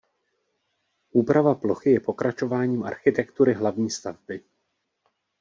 Úprava plochy je pokračováním architektury hlavní stavby.